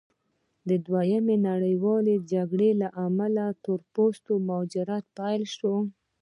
د دویمې نړیوالې جګړې له امله د تور پوستو مهاجرت پیل شو.